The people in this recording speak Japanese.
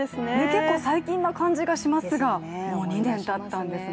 結構、最近な感じがしますがもう２年たったんですね。